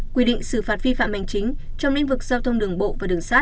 quy định xử phạt vi phạm hành chính trong lĩnh vực giao thông đường bộ và đường sát